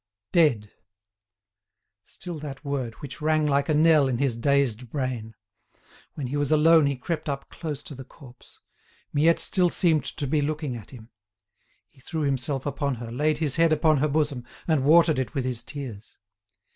Dead! Still that word, which rang like a knell in his dazed brain! When he was alone he crept up close to the corpse. Miette still seemed to be looking at him. He threw himself upon her, laid his head upon her bosom, and watered it with his tears.